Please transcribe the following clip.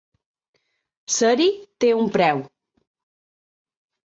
Ser-hi té un preu.